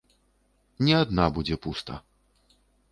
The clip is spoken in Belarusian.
Не адна будзе пуста.